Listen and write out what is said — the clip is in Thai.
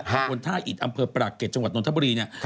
บนท่าอิดอำเภอปรากเก็ตจังหวัดนทบุรีเนี่ย